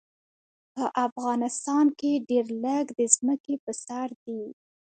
په افغانستان کې ډېر لږ د ځمکې په سر دي.